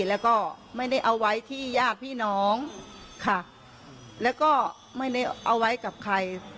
แล้วก็ไม่ได้เอาไว้ที่ญาติพี่น้องค่ะแล้วก็ไม่ได้เอาไว้กับใคร